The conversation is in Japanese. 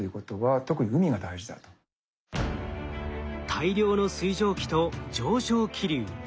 大量の水蒸気と上昇気流。